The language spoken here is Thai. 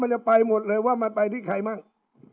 จะไปหมดเลยว่ามันไปที่ใครมั่ง